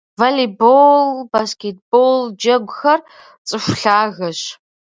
Волейбол, баскетбол джэгухэр цӏыху лъагэщ.